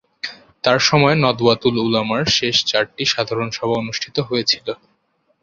তার সময়ে নদওয়াতুল উলামার শেষ চারটি সাধারণ সভা অনুষ্ঠিত হয়েছিল।